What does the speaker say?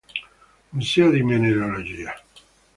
Museo di mineralogia